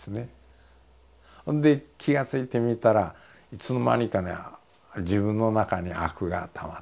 ほんで気が付いてみたらいつの間にかね自分の中に悪がたまってきた。